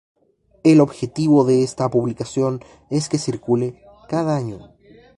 El objetivo de esta publicación es que circule cada año.